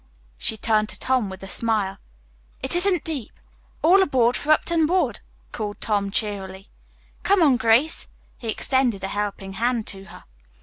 She turned to Tom with a smile. "It isn't deep. All aboard for Upton Wood!" called Tom cheerily. "Come on, Grace." He extended a helping hand to her.